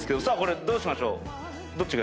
さあこれどうしましょう？